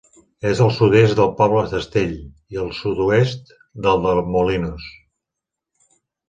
És al sud-est del poble d'Astell i al sud-oest del de Molinos.